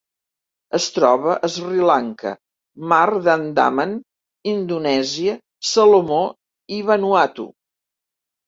Es troba a Sri Lanka, Mar d'Andaman, Indonèsia, Salomó i Vanuatu.